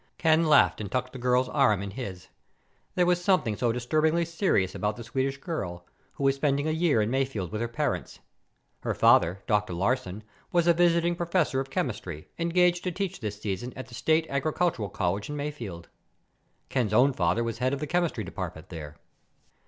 Ken laughed and tucked the girl's arm in his. There was something so disturbingly serious about the Swedish girl, who was spending a year in Mayfield with her parents. Her father, Dr. Larsen, was a visiting professor of chemistry, engaged to teach this season at the State Agricultural College in Mayfield. Ken's own father was head of the chemistry department there.